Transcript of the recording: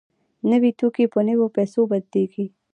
نوي توکي په نویو پیسو بدلېږي